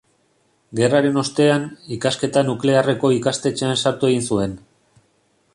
Gerraren ostean, ikasketa nuklearreko ikastetxean sartu egin zuen.